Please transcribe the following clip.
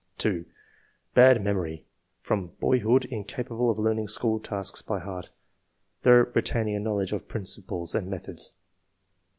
] 2. " Bad memory ; from boyhood incapable of learning school tasks by heart, though retain ing a knowledge of principles and methods.''